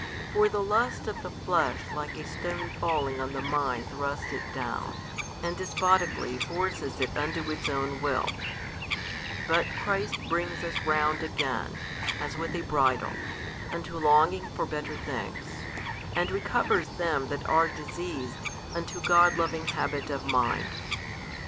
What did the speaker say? For the lust of the flesh like a stone falling on the mind thrusts it down, and despotically forces it unto its own will; but Christ brings us round again, as with a bridle, unto longing for better things, and recovers them that are diseased unto God loving habit of mind.